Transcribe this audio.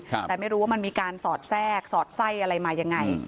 แต่ไม่รู้ว่ามันมีการสอดแทรกสอดไส้อะไรมายังไง